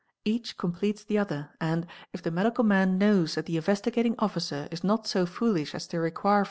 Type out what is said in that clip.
Each completes the other and, if the medical man knows that the Investigating Officer is not so foolish as to require